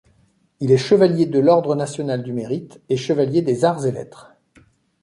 Il est Chevalier de l’Ordre national du Mérite, et chevalier des Arts et Lettres.